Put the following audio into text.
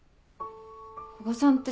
古賀さんってさああ